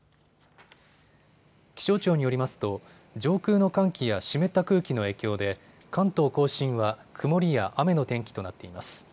気象庁によりますと上空の寒気や湿った空気の影響で関東甲信は曇りや雨の天気となっています。